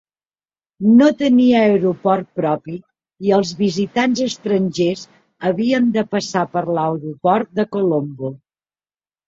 No tenia aeroport propi i els visitants estrangers havien de passar per l'aeroport de Colombo.